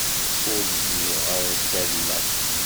Ur zemmreɣ ara ad k-alleɣ